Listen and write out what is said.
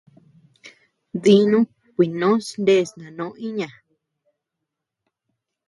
Dínu kuinós ndes nanó iña.